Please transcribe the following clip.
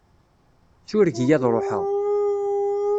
Sureg-iyi ad ṛuḥeɣ.